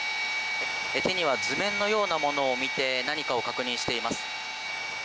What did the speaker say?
手には図面のようなものを見て何かを確認しています。